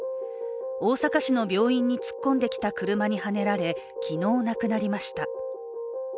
大阪市の病院に突っ込んできた車にはねられ昨日亡くなりました。